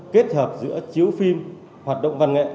kết hợp giữa chiếu phim hoạt động văn nghệ